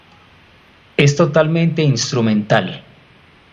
Es totalmente instrumental.